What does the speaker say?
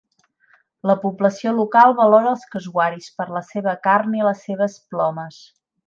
La població local valora els casuaris per la seva carn i les seves plomes.